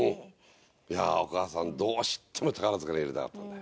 お母さんどうしても宝塚に入れたかったんだよ。